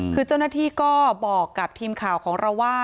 คือเจ้าหน้าที่ก็บอกกับทีมข่าวของเราว่า